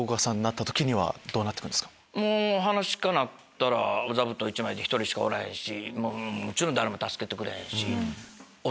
噺家なったらお座布団１枚で１人しかおらへんしもちろん誰も助けてくれへんし。